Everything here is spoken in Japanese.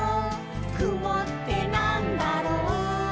「くもってなんだろう？」